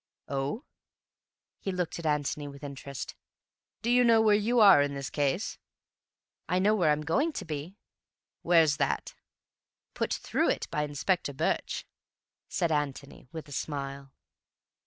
"Oh!" He looked at Antony with interest. "D'you know where you are in this case?" "I know where I'm going to be." "Where's that?" "Put through it by Inspector Birch," said Antony with a smile.